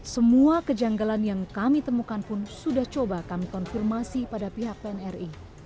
semua kejanggalan yang kami temukan pun sudah coba kami konfirmasi pada pihak pnri